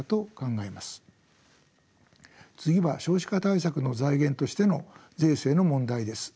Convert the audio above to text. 次は少子化対策の財源としての税制の問題です。